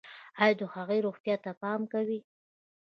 ایا د هغوی روغتیا ته پام کوئ؟